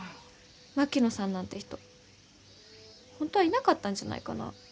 槙野さんなんて人本当はいなかったんじゃないかな？